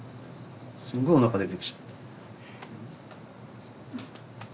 すんごいおなか出てきちゃって。